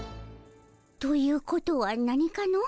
ということはなにかの？